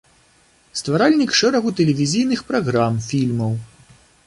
Стваральнік шэрагу тэлевізійных праграм, фільмаў.